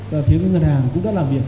và phía ngân hàng cũng đã làm việc